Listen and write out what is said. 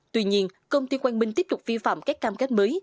tuy nhiên công ty quang minh tiếp tục vi phạm các cam kết mới